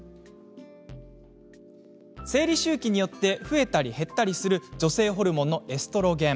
生理周期によって増えたり減ったりする女性ホルモンのエストロゲン。